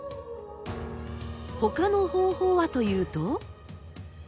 他の方法はというと？